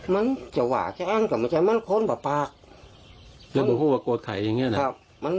เป็นความกลัวใจยังไงนะครับมันได้คิดความกลัว๑๙๓๙